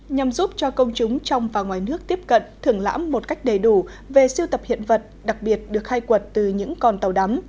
nhằm giúp cho công chúng trong và ngoài nước tiếp cận thưởng lãm một cách đầy đủ về siêu tập hiện vật đặc biệt được khai quật từ những con tàu đắm